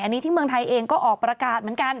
อันนี้ที่เมืองไทยเองก็ออกประกาศเหมือนกัน